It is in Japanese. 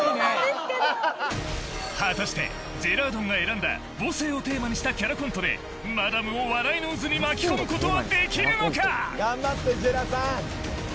果たしてジェラードンが選んだ「母性」をテーマにしたキャラコントでマダムを笑いの渦に巻き込むことはできるのか？